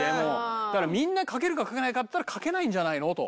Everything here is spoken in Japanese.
だからみんなかけるかかけないかだったらかけないんじゃないの？と。